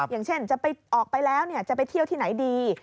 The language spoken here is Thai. อย่างเช่นจะไปออกไปแล้วจะไปเที่ยวที่ไหนดี